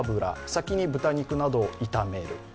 先に豚肉などを炒める。